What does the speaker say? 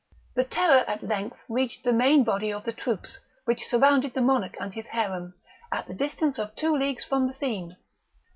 The terror at length reached the main body of the troops which surrounded the monarch and his harem, at the distance of two leagues from the scene.